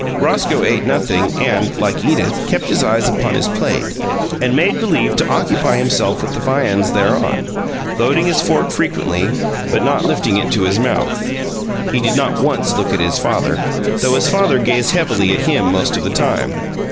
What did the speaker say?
Roscoe ate nothing, and, like Edith, kept his eyes upon his plate and made believe to occupy himself with the viands thereon, loading his fork frequently, but not lifting it to his mouth. He did not once look at his father, though his father gazed heavily at him most of the time.